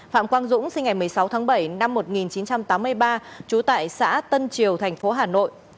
phạm quang dũng sinh ngày một mươi sáu tháng bảy năm một nghìn chín trăm tám mươi ba trú tại xã tân triều thành phố hà nội